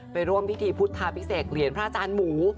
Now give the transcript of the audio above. ไปร่วมพิธีพุทธวิสัยเกรียร์พระอาจารย์หมู่